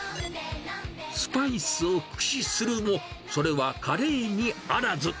スパイスを駆使するも、それはカレーにあらず。